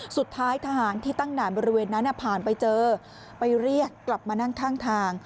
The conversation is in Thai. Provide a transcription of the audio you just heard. สุดท้ายทหารที่ตั้งด่านบริเวณนั้นผ่านไปเจอไปเรียกกลับมานั่งข้างทาง